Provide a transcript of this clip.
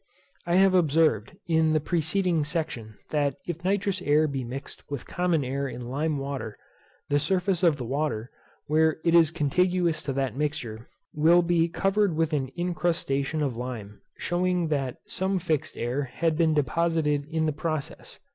I have observed, in the preceding section, that if nitrous air be mixed with common air in lime water, the surface of the water, where it is contiguous to that mixture, will be covered with an incrustation of lime, shewing that some fixed air had been deposited in the process.